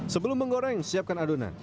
sebelum menggoreng siapkan adonan